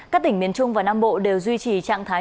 các tỉnh miền trung và nam bộ đều duy trì trạng thái